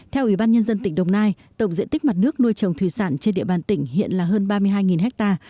theo ủy ban nhân dân tỉnh đồng nai tổng diện tích mặt nước nuôi trồng thủy sản trên địa bàn tỉnh hiện là hơn ba mươi hai ha